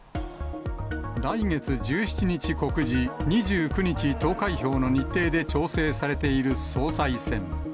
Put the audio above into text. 来月１７日告示、２９日投開票の日程で調整されている総裁選。